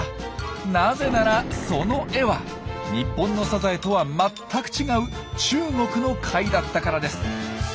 なぜならその絵は日本のサザエとは全く違う中国の貝だったからです。